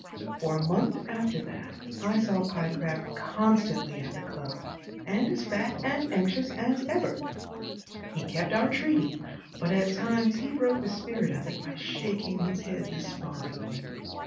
For a month after that I saw Pyecraft constantly at the club and as fat and anxious as ever. He kept our treaty, but at times he broke the spirit of it by shaking his head despondently.